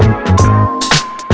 nah bangun yuk